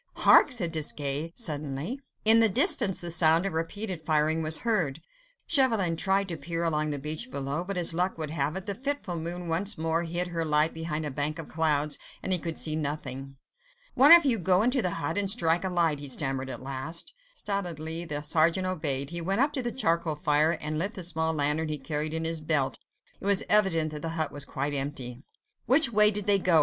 "Hark!" said Desgas suddenly. In the distance the sound of repeated firing was heard. Chauvelin tried to peer along the beach below, but as luck would have it, the fitful moon once more hid her light behind a bank of clouds, and he could see nothing. "One of you go into the hut and strike a light," he stammered at last. Stolidly the sergeant obeyed: he went up to the charcoal fire and lit the small lantern he carried in his belt; it was evident that the hut was quite empty. "Which way did they go?"